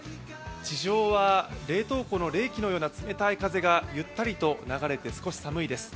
地上は冷凍庫の冷気のような冷たい風がゆったりと流れて少し寒いです。